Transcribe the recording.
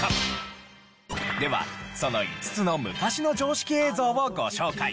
ではその５つの昔の常識映像をご紹介。